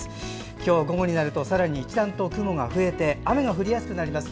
今日午後になるとさらに一段と雲が増えて雨が降りやすくなります。